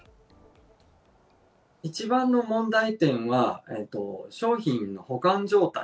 一番の問題点は、商品の保管状態。